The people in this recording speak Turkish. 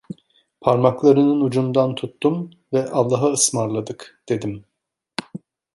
Parmaklarının ucundan tuttum ve Allahaısmarladık dedim.